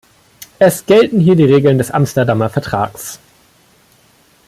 Es gelten hier die Regeln des Amsterdamer Vertrags.